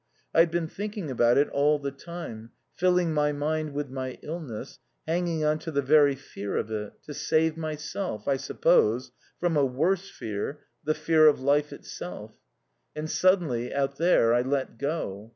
I'd been thinking about it all the time, filling my mind with my illness, hanging on to the very fear of it; to save myself, I suppose, from a worse fear, the fear of life itself. And suddenly, out there, I let go.